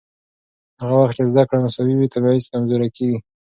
هغه وخت چې زده کړه مساوي وي، تبعیض کمزورې کېږي.